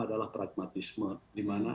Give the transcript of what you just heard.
adalah pragmatisme dimana